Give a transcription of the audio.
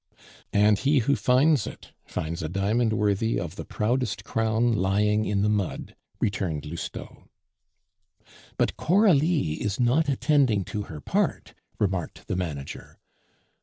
"And he who finds it, finds a diamond worthy of the proudest crown lying in the mud," returned Lousteau. "But Coralie is not attending to her part," remarked the manager.